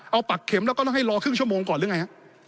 เอาปักเข็มแล้วก็ต้องให้รอครึ่งชั่วโมงก่อนหรือไงฮะ